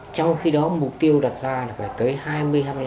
trong khi đó mục tiêu đặt ra là phải tới hai mươi hai mươi năm